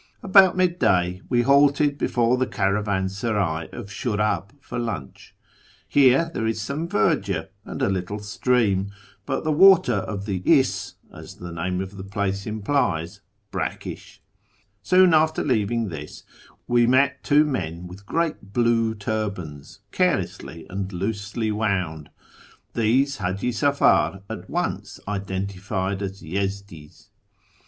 About mid day we halted before the caravansaray of Shiirab for lunch : here there is some verdure, and a little stream, but the water of this is, as the name of the place 172 ./ YEAR AMONGST THE PERSLiNS implies, brackisli. Soon after leaving this we met two men with great Muc turbans, carelessly and loosely wouml. Tliese H;iji Safar at once identified as Yezdi's.